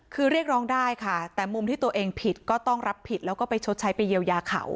คือเรียกร้องได้ค่ะแต่มุมที่ตัวเองผิดก็ต้องรับผิดแล้วก็ไปชดใช้ไปเยียวยาเขา